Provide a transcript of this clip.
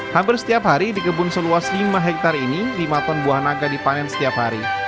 hampir setiap hari di kebun seluas lima hektare ini lima ton buah naga dipanen setiap hari